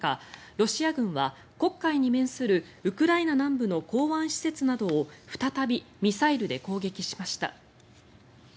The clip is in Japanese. ロシア軍は黒海に面するウクライナ南部の港湾施設などを再びミサイルで攻撃しました。